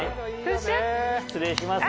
失礼します。